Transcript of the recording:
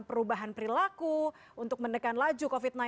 apakah itu akan berhasil untuk mendekatkan perubahan yang berlaku